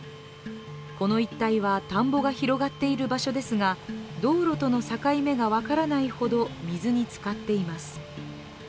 この一帯は、田んぼが広がっている場所ですが道路との境目が分からないほど水につかっています。